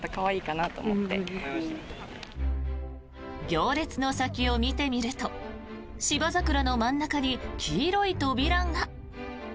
行列の先を見てみるとシバザクラの真ん中に黄色い扉が。